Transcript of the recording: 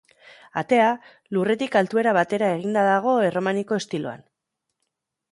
Atea lurretik altuera batera egina dago erromaniko estiloan.